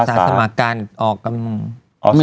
อศสมรรคการ